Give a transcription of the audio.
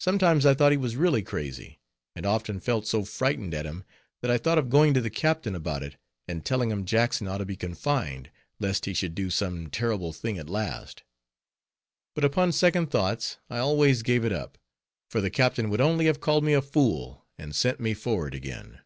Sometimes I thought he was really crazy; and often felt so frightened at him, that I thought of going to the captain about it, and telling him Jackson ought to be confined, lest he should do some terrible thing at last. But upon second thoughts, I always gave it up; for the captain would only have called me a fool, and sent me forward again.